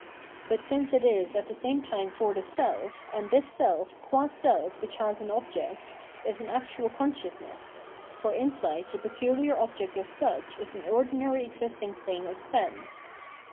But since it is at the same time for the self, and this seh, qua self which has an object, is an actual consciousness, for insight the peculiar object as such is an ordinary existing thing of sense.